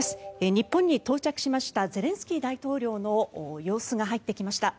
日本に到着しましたゼレンスキー大統領の様子が入ってきました。